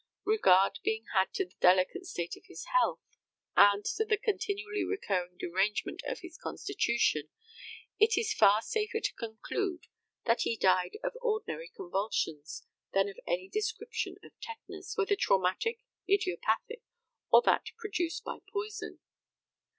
Regard being had to the delicate state of his health, and to the continually recurring derangement of his constitution, it is far safer to conclude that he died of ordinary convulsions than of any description of tetanus, whether traumatic, idiopathic, or that produced by poison.